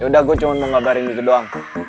udah gue cuma mau ngabarin gitu doang